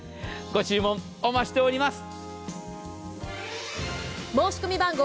ご注文お待ちしております。